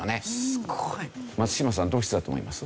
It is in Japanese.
すごい！松嶋さんどうしてだと思います？